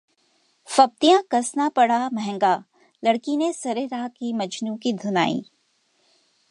फब्तियां कसना पड़ा महंगा, लड़की ने सरेराह की मजनू की धुनाई